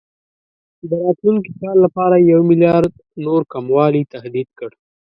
د راتلونکي کال لپاره یې یو میلیارډ نور کموالي تهدید کړ.